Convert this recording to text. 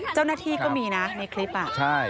เจ้าหน้าที่ก็มีนะในคลิปอ่ะใช่